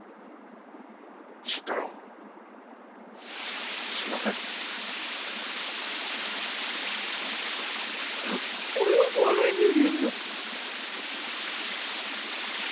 心太朗すまない俺は悪い人間だ